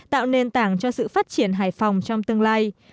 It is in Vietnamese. tạo nền tảng cho sự phát triển hải phòng trong tương lai